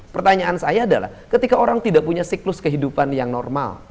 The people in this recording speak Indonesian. pertanyaan saya adalah ketika orang tidak punya siklus kehidupan yang normal